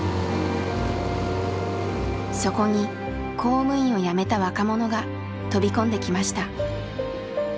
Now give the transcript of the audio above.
そこに公務員を辞めた若者が飛び込んできました。